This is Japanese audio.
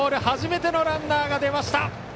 初めてのランナーが出ました。